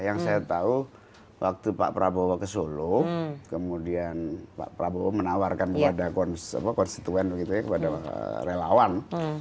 yang saya tahu waktu pak prabowo ke solo kemudian pak prabowo menawarkan kepada konstituen kepada relawan